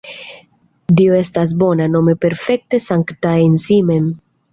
Dio estas bona, nome perfekte sankta en si mem.